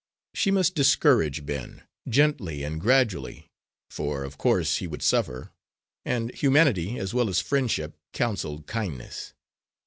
She must discourage Ben gently and gradually, for of course he would suffer; and humanity, as well as friendship, counselled kindness.